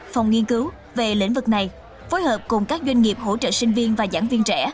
phòng nghiên cứu về lĩnh vực này phối hợp cùng các doanh nghiệp hỗ trợ sinh viên và giảng viên trẻ